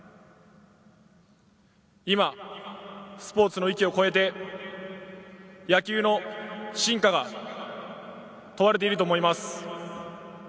今スポーツの域を超えて野球の真価が問われていると思います